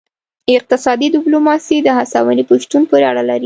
اقتصادي ډیپلوماسي د هڅونې په شتون پورې اړه لري